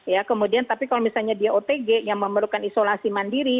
ya kemudian tapi kalau misalnya dia otg yang memerlukan isolasi mandiri